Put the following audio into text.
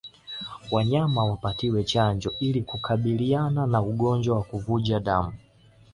Wanyama wapatiwe chanjo ili kukabiliana na ugonjwa wa kuvuja damu